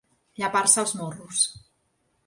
Llepar-se els morros.